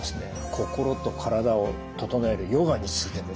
心と体を整えるヨガについてです。